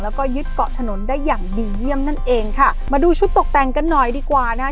แล้วก็ยึดเกาะถนนได้อย่างดีเยี่ยมนั่นเองค่ะมาดูชุดตกแต่งกันหน่อยดีกว่านะคะ